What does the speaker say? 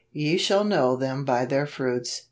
" Ye shall know them by their fruits.